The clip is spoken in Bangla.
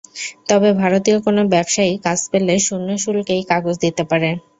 তবে ভারতীয় কোনো ব্যবসায়ী কাজ পেলে শূন্য শুল্কেই কাগজ দিতে পারে।